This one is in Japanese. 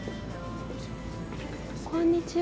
こんにちは。